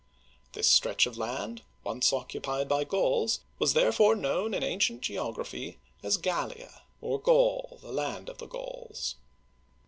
This stretch of land, once occupied by Gauls, was therefore known in ancient geography as Gal'Ua, or Gaul, the land of the Gauls.